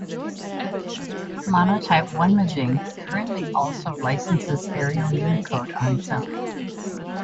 Monotype onemaging currently also licenses Arial Unicode on its own.